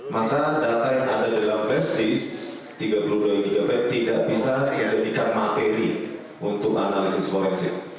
maka data yang ada dalam flash disk tiga puluh dua gb tidak bisa dijadikan materi untuk analisis forensik